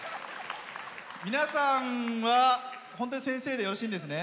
皆さんは、本当に先生でよろしいんですね？